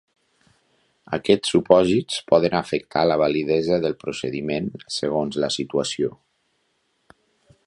Aquests supòsits poden afectar la validesa del procediment segons la situació.